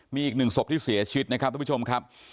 มีอีกหนึ่งศพที่เสียชีวิตนะครับทุกผู้ชมครับ